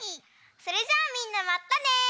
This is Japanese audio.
それじゃあみんなまたね！